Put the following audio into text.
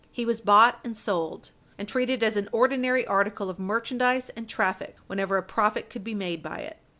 He was bought and sold, and treated as an ordinary article of merchandise and traffic whenever a profit could be made by it.